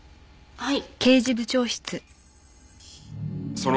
はい。